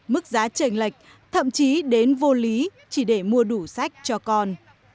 mức giá tranh lệch thậm chí đến vô lý chỉ để mua đủ sách cho con